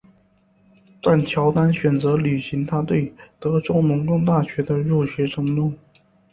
但乔丹选择履行他对德州农工大学的入学承诺。